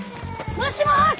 もしもーし！